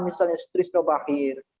misalnya sutrisno bakhir